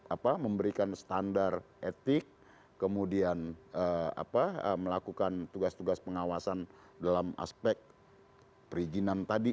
apa memberikan standar etik kemudian melakukan tugas tugas pengawasan dalam aspek perizinan tadi